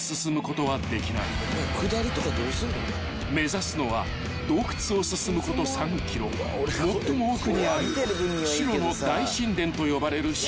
［目指すのは洞窟を進むこと３ｋｍ最も奥にある白の大神殿と呼ばれる神秘の絶景］